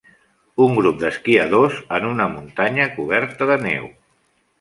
Un grup d'esquiadors en una muntanya coberta de neu.